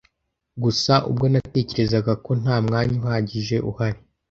Gusa ubwo natekerezaga ko nta mwanya uhagije uhari